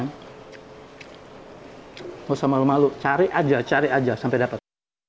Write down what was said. nggak usah malu malu cari aja cari aja sampai dapat